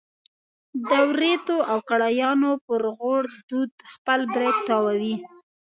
د وریتو او کړایانو پر غوړ دود خپل برېت تاووي.